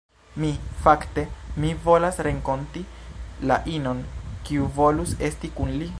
Mi, fakte, Mi volas renkonti la inon kiu volus esti kun li